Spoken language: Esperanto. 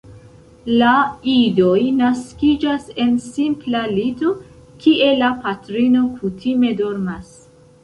La idoj naskiĝas en simpla lito, kie la patrino kutime dormas.